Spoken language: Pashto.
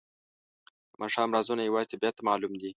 د ماښام رازونه یوازې طبیعت ته معلوم دي.